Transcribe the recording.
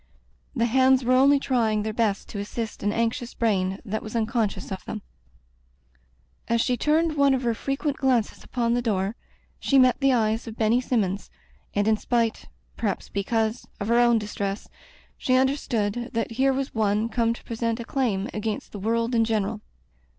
The hands were only trying their best to assist an anxious brain that was un conscious of them. As she turned one of her frequent glances upon the door, she met the eyes of Benny Sinmions, and in spite, perhaps because, of her own distress, she understood that here was one come to present a claim against the world in general.